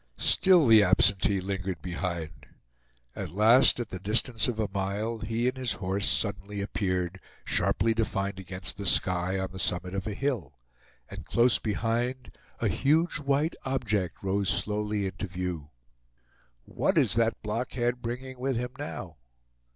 Still the absentee lingered behind. At last, at the distance of a mile, he and his horse suddenly appeared, sharply defined against the sky on the summit of a hill; and close behind, a huge white object rose slowly into view. "What is that blockhead bringing with him now?"